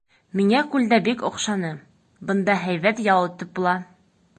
Миңә күлдә бик оҡшаны, бында һәйбәт ял итеп була.